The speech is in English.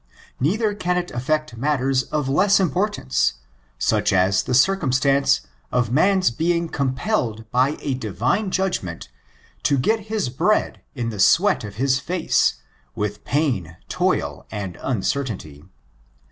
Neither can it affect matters of less importance, suqh as the circumstance of man's being compelled by a Divine judgment to get his bread in the sweat of his face, with pain, toil, and uncertainty.